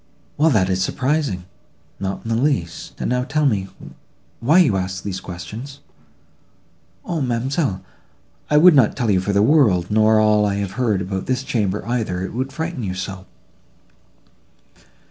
—"Well, that is surprising!"—"Not in the least: and now tell me, why you ask these questions." "O, ma'amselle! I would not tell you for the world, nor all I have heard about this chamber, either; it would frighten you so."